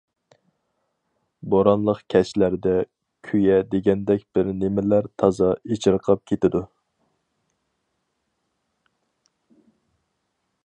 بورانلىق كەچلەردە كۈيە دېگەندەك بىر نېمىلەر تازا ئېچىرقاپ كېتىدۇ.